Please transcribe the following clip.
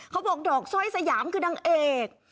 เขาบอกดอกสร้อยสยามคือนางเอก